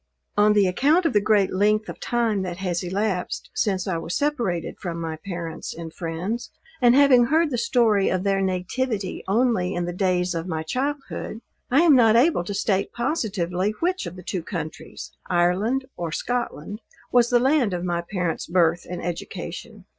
On the account of the great length of time that has elapsed since I was separated from my parents and friends, and having heard the story of their nativity only in the days of my childhood, I am not able to state positively, which of the two countries, Ireland or Scotland, was the land of my parents birth and education.